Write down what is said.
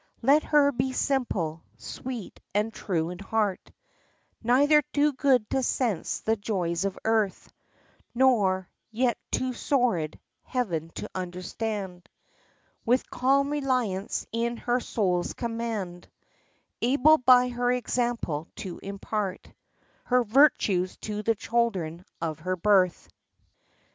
— Let her be simple, sweet, and true in heart; Neither too good to sense the joys of earth Nor yet too sordid Heaven to understand; With calm reliance in her soul's command; Able by her example to impart Her virtues to the children of her birth.